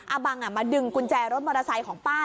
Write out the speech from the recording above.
บังมาดึงกุญแจรถมอเตอร์ไซค์ของป้า